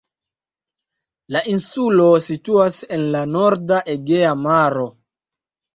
La insulo situas en la norda Egea Maro.